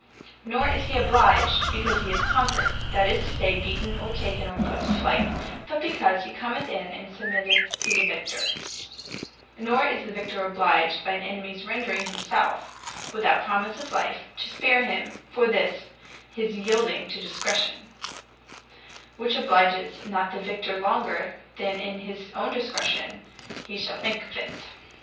Nor is he obliged because he is Conquered; that is to say, beaten, and taken, or put to flight; but because he commeth in, and submitteth to the Victor; Nor is the Victor obliged by an enemies rendring himselfe, (without promise of life,) to spare him for this his yeelding to discretion; which obliges not the Victor longer, than in his own discretion hee shall think fit.